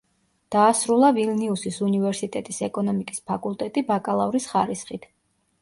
დაასრულა ვილნიუსის უნივერსიტეტის ეკონომიკის ფაკულტეტი ბაკალავრის ხარისხით.